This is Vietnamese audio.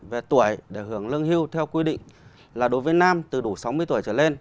về tuổi để hưởng lương hưu theo quy định là đối với nam từ đủ sáu mươi tuổi trở lên